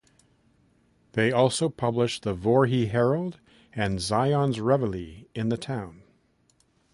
They also published the "Voree Herald" and "Zion's Reveille" in the town.